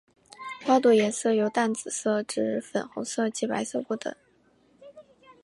花朵颜色由淡紫色至粉红色及白色不等。